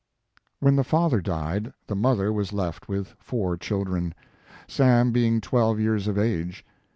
When the father died, the mother was left with four children, Sam being twelve years of age.